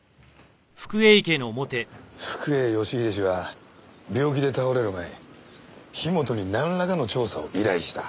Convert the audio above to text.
福栄義英氏は病気で倒れる前に樋本になんらかの調査を依頼した。